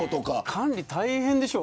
管理大変でしょ。